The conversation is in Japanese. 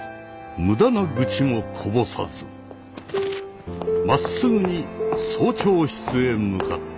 無駄な愚痴もこぼさずまっすぐに総長室へ向かった。